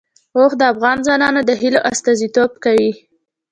اوښ د افغان ځوانانو د هیلو استازیتوب کوي.